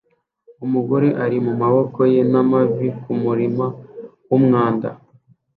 Umugore ari mumaboko ye n'amavi kumurima wumwanda